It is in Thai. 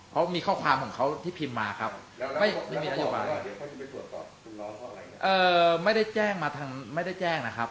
เขามีข้อความของเขาที่พิมพ์มาครับไม่ได้แจ้งมาทางไม่ได้แจ้งนะครับ